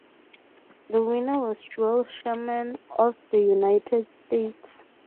The winner was Joel Sherman of the United States.